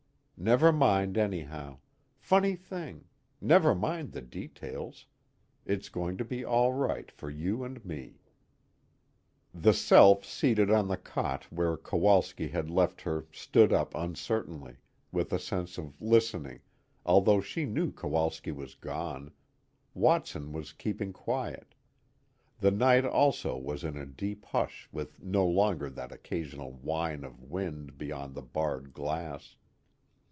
Never mind anyhow, Funny Thing, never mind the details, it's going to be all right for you and me._ The self seated on the cot where Kowalski had left her stood up uncertainly, with a sense of listening, although she knew Kowalski was gone, Watson was keeping quiet, the night also was in a deep hush with no longer that occasional whine of wind beyond the barred glass.